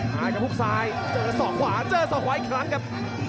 มาครับฮุกซ้ายเจอศอกขวาเจอศอกขวาอีกครั้งครับ